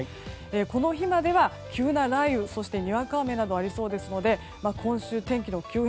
この日までは急な雷雨にわか雨などありそうですので今週、天気の急変。